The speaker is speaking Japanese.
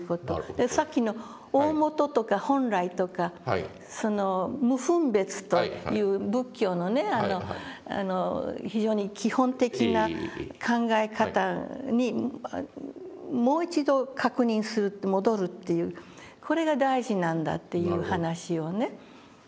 さっきの大本とか本来とか無分別という仏教のね非常に基本的な考え方にもう一度確認する戻るというこれが大事なんだという話をね。